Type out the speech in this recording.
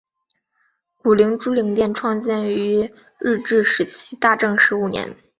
鼓山珠灵殿创建于日治时期大正十五年。